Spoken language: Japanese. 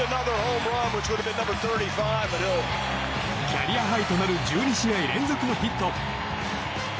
キャリアハイとなる１２試合連続のヒット！